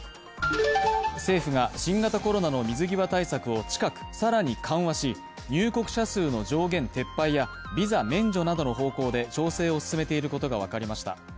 政府が新型コロナの水際対策を近く更に緩和し、入国者数の上限撤廃やビザ免除などの方向で調整を進めていることが分かりました。